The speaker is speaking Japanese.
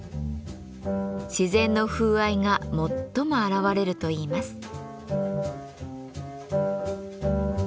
自然の風合いが最も表れるといいます。